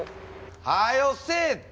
はよせえって！